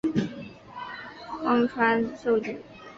父亲是荒川秀景。